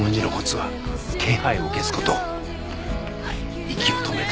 はい息を止めて。